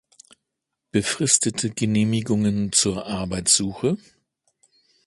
Befristete Genehmigungen zur Arbeitssuche?